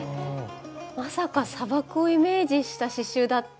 まさか砂漠をイメージした刺しゅうだって。